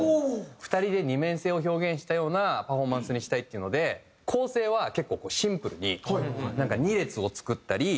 ２人で二面性を表現したようなパフォーマンスにしたいっていうので構成は結構シンプルに。